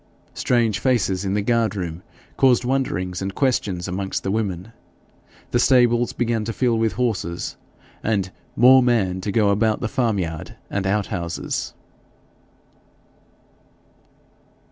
Strange faces in the guard room caused wonderings and questions amongst the women. The stables began to fill with horses, and 'more man' to go about the farmyard and outhouses.